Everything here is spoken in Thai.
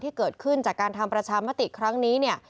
ที่เกิดขึ้นจากการทำประชามติครั้งนี้เนี่ย